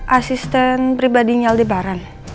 asisten pribadi nyaldebaran